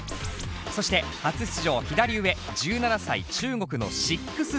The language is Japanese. そして初出場左上１７歳中国の６７１。